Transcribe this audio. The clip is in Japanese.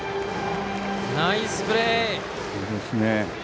ナイスプレー。